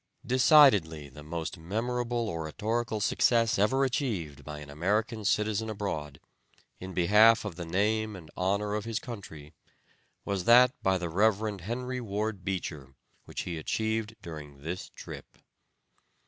Decidedly the most memorable oratorical success ever achieved by an American citizen abroad, in behalf of the name and honor of his country, was that by the Rev. Henry Ward Beecher, which he achieved during this trip.